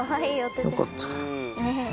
よかった。